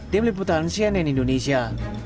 tim liputan cnn indonesia